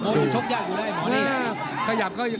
โอ้โหชกยากอยู่แล้วไอ้หมอนี่